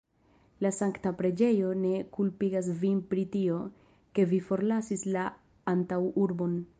La sankta preĝejo ne kulpigas vin pri tio, ke vi forlasis la antaŭurbon.